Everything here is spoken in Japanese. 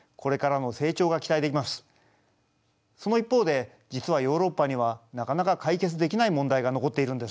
その一方で実はヨーロッパにはなかなか解決できない問題が残っているんです。